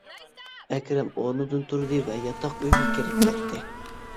ئەكرەم ئورنىدىن تۇردى ۋە ياتاق ئۆيىگە كىرىپ كەتتى.